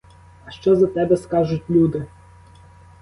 А що за тебе скажуть люди?